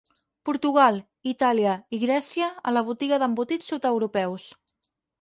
Portugal, Itàlia i Grècia a la botiga d'embotits sud-europeus.